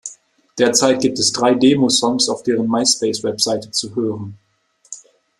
Derzeit gibt es drei Demosongs auf deren Myspace Webseite zu hören.